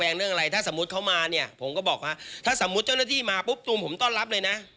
นี่เขาบอกอย่างนี้เลย